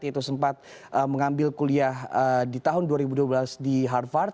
yaitu sempat mengambil kuliah di tahun dua ribu dua belas di harvard